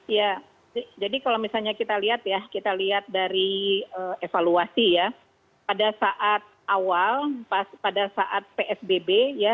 ya jadi kalau misalnya kita lihat ya kita lihat dari evaluasi ya pada saat awal pada saat psbb ya